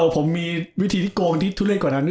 ผมมีวิธีที่โกงที่ทุเลศกว่านั้น